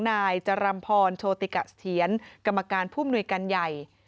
นายจรำพรโชติกเสียนกรรมการผู้อำนวยกันใหญ่